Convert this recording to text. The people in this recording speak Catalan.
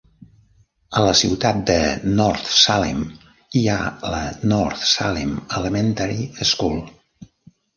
A la ciutat de North Salem hi ha la North Salem Elementary School.